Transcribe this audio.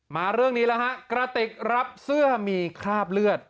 มาเรื่องนี้แล้วฮะกระติกรับเสื้อมีคราบเลือด